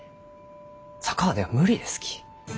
佐川では無理ですき。